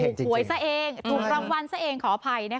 ถูกป่วยสะเอ็งถูกรางวัลสะเอ็งขออภัยนะคะ